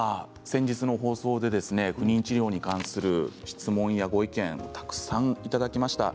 先日の放送で不妊治療に関する、質問やご意見たくさんいただきました。